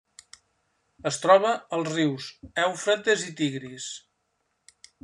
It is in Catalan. Es troba als rius Eufrates i Tigris.